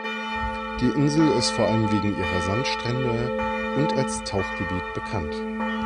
Die Insel ist vor allem wegen ihrer Sandstrände und als Tauchgebiet bekannt.